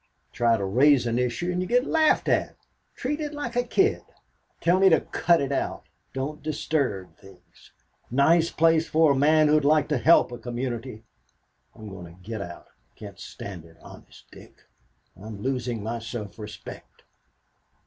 "Try to raise an issue, and you get laughed at. Treated like a kid. Tell me to 'cut it out,' not disturb things. Nice place for a man who'd like to help a community! I'm going to get out. Can't stand it. Honest, Dick, I'm losing my self respect."